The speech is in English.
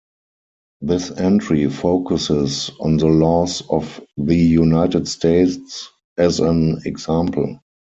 This entry focuses on the laws of the United States as an example.